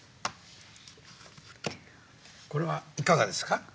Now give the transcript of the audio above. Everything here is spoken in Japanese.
これはいかがですか？